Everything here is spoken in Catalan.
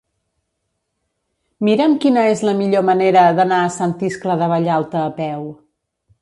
Mira'm quina és la millor manera d'anar a Sant Iscle de Vallalta a peu.